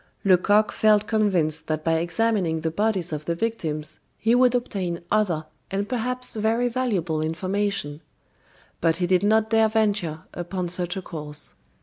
Lecoq felt convinced that by examining the bodies of the victims he would obtain other and perhaps very valuable information; but he did not dare venture upon such a course.